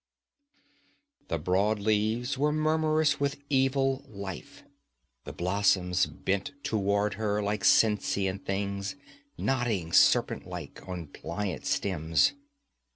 The broad leaves were murmurous with evil life. The blossoms bent toward her like sentient things, nodding serpent like on pliant stems.